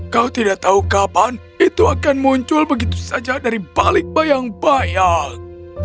kau tidak tahu kapan itu akan muncul begitu saja dari balik bayang bayang